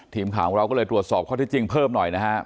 ทีมข่าวของเราก็เลยตรวจสอบข้อที่จริงเพิ่มหน่อยนะครับ